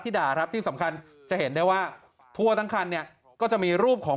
ด่าครับที่สำคัญจะเห็นได้ว่าทั่วทั้งคันเนี่ยก็จะมีรูปของ